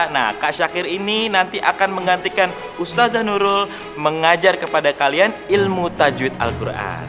nah kak syakir ini nanti akan menggantikan ustazah nurul mengajar kepada kalian ilmu tajwid al quran